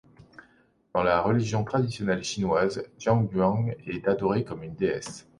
Dans la religion traditionnelle chinoise, Jiang Yuan est adorée comme une déesse.